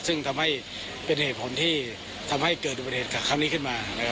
ซึ่งทำให้เป็นเหตุผลที่ทำให้เกิดเป็นเหตุขับนี้ขึ้นมานะครับ